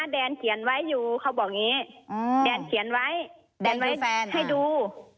แดนเขียนไว้อยู่เขาบอกอย่างนี้แดนเขียนไว้แดนไว้ให้ดู